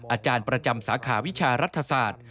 อาจารย์ประจำสาขาวิชารัฐศาสตร์